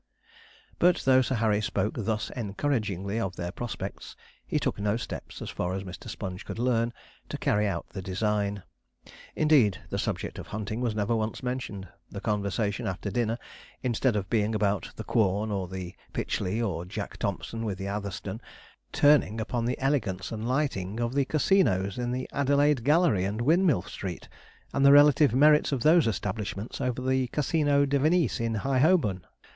But though Sir Harry spoke thus encouragingly of their prospects, he took no steps, as far as Mr. Sponge could learn, to carry out the design. Indeed, the subject of hunting was never once mentioned, the conversation after dinner, instead of being about the Quorn, or the Pytchley, or Jack Thompson with the Atherstone, turning upon the elegance and lighting of the Casinos in the Adelaide Gallery and Windmill Street, and the relative merits of those establishments over the Casino de Venise in High Holborn.